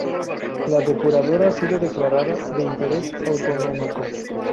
La depuradora ha sido declarada de interés autonómico